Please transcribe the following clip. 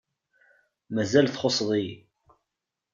Mazal txuṣṣeḍ-iyi.